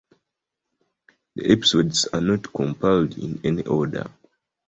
The episodes are not compiled in any order.